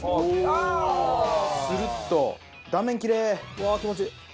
うわー気持ちいい！